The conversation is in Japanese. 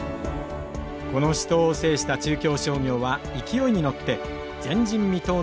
この死闘を制した中京商業は勢いに乗って前人未到の３連覇を達成しました。